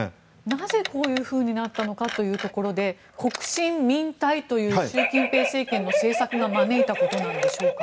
なぜ、こうなったのかというところで国進民退という習近平政権の政策が招いたことなんでしょうか。